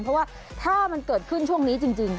เพราะว่าถ้ามันเกิดขึ้นช่วงนี้จริง